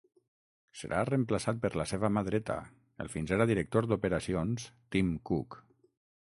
Serà reemplaçat per la seva mà dreta, el fins ara director d'operacions Tim Cook.